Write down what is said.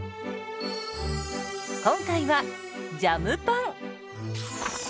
今回はジャムパン。